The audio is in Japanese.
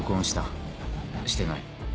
してない？